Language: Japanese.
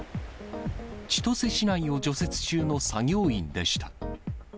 千歳市内を除雪中の作業員でした。